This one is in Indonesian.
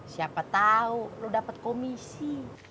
siapa tau lu dapet komisi